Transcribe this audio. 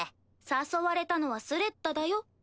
誘われたのはスレッタだよ。